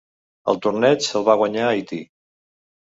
El torneig el va guanyar Haití.